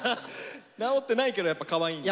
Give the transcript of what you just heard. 治ってないけどやっぱかわいいんだ。